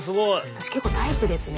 私結構タイプですね